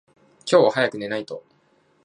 今日は早く寝ないと。